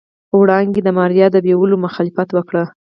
وړانګې د ماريا د بيولو مخالفت وکړ.